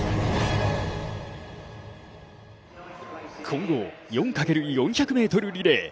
混合４×４００ｍリレー。